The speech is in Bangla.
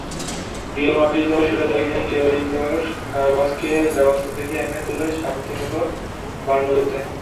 রিয়াল মাদ্রিদও সেটা দেখেই কেইলর নাভাসকে লেভান্তে থেকে এনে তোলে সান্তিয়াগো বার্নাব্যুতে।